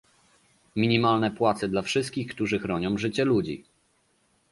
Minimalne płace dla wszystkich, którzy chronią życie ludzi